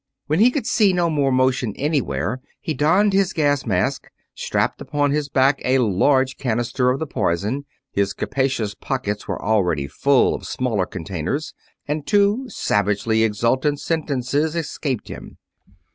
When he could see no more motion anywhere he donned his gas mask, strapped upon his back a large canister of the poison his capacious pockets were already full of smaller containers and two savagely exultant sentences escaped him.